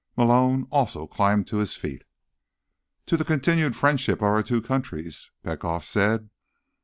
Malone also climbed to his feet. "To the continued friendship of our two countries!" Petkoff said.